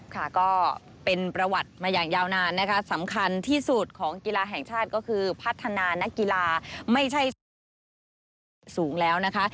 ค่ะก็เป็นประวัติมาอย่างยาวนานนะคะสำคัญที่สุดของกีฬาแห่งชาติก็คือพัฒนานักกีฬาไม่ใช่สนามกีฬาสูงแล้วนะคะ